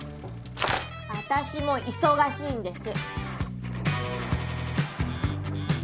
私も忙しいんです！